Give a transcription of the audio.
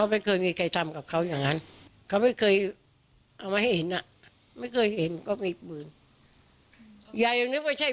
ไม่เคยมีเรื่องแบบนี้